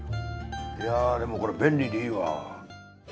いやでもこれ便利でいいわ。